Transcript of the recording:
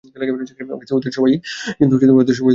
কিন্তু ওদের সবাই ধরা পড়ে যায়।